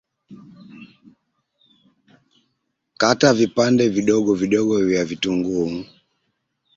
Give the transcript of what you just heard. Kata vipande vidogo vidogo vya vitunguu